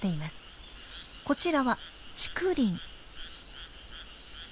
こちらは竹林。